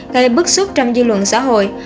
gây bức xuất trong dư luận xã hội